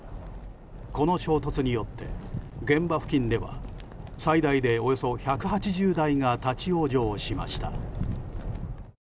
この衝突によって現場付近では最大でおよそ１８０台が立ち往生しました。